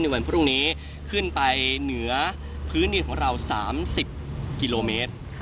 วันพรุ่งนี้ขึ้นไปเหนือพื้นดินของเรา๓๐กิโลเมตร